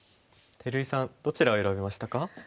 照井さんどちらを選びましたか？